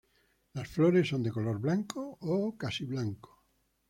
Las flores son de color blanco o casi blanco.